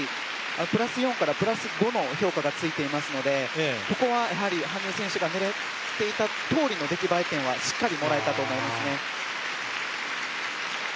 プラス４からプラス５の評価がついていますのでここはやはり羽生選手が狙っていたとおりの出来栄え点はしっかりもらえたと思いますね。